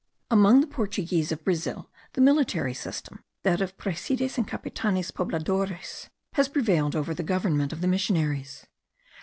Among the Portuguese of Brazil the military system, that of presides and capitanes pobladores, has prevailed over the government of the missionaries.